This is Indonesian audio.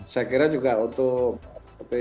saya kira juga untuk seperti main di tuan rumah ini